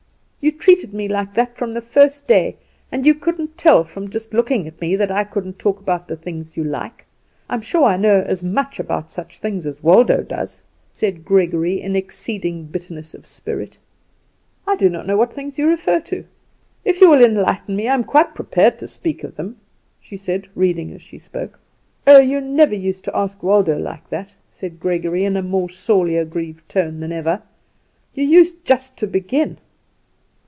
You treated me like that from the first day; and you couldn't tell from just looking at me that I couldn't talk about the things you like. I'm sure I know as much about such things as Waldo does," said Gregory, in exceeding bitterness of spirit. "I do not know which things you refer to. If you will enlighten me I am quite prepared to speak of them," she said, reading as she spoke. "Oh, you never used to ask Waldo like that," said Gregory, in a more sorely aggrieved tone than ever. "You used just to begin."